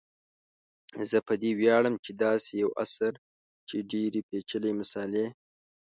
زه په دې ویاړم چي داسي یو اثر چي ډیري پیچلي مسالې